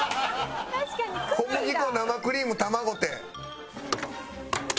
小麦粉生クリーム卵て。